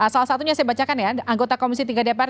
salah satunya saya bacakan ya anggota komisi tiga dpr